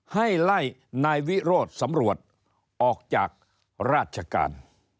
ให้ไล่นายวิโรธสำรวจออกจากราชการ